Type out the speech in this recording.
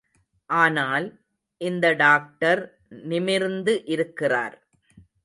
ஆனால், இந்த டாக்டர் நிமிர்ந்து இருக்கிறார்.